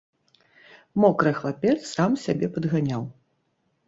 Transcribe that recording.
Мокры хлапец сам сябе падганяў.